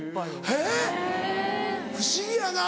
えっ⁉不思議やな！